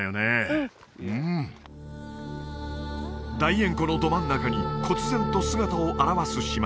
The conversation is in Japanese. うんうん大塩湖のど真ん中にこつ然と姿を現す島